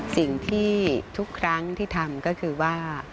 สิ่งที่ทุกครั้งที่ทำก็คือว่า